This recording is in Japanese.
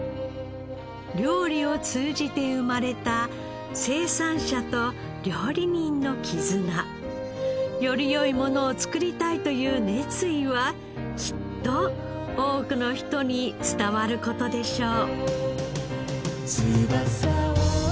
料理を通じて生まれた生産者と料理人の絆。より良いものを作りたいという熱意はきっと多くの人に伝わる事でしょう。